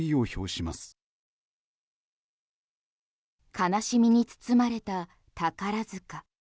悲しみに包まれた宝塚。